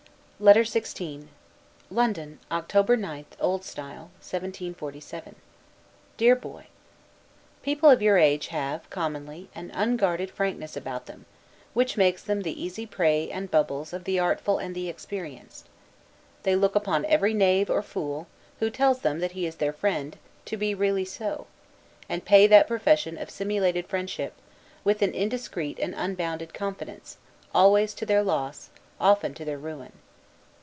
LETTER XVI LONDON, October 9, O. S. 1747. DEAR BOY: People of your age have, commonly, an unguarded frankness about them; which makes them the easy prey and bubbles of the artful and the experienced; they look upon every knave or fool, who tells them that he is their friend, to be really so; and pay that profession of simulated friendship, with an indiscreet and unbounded confidence, always to their loss, often to their ruin.